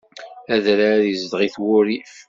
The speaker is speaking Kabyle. Adrar izdeɣ-it wurrif.